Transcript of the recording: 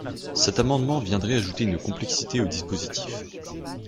Cet amendement viendrait ajouter une complexité au dispositif.